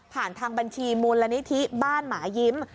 ผ่านทางบัญชีมูลละนิทิบ้านหมายิ้ม